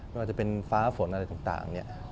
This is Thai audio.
ถ้าว่าจะเป็นฟ้าฝนอะไรต่าง